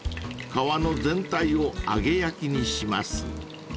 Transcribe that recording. ［皮の全体を揚げ焼きにします］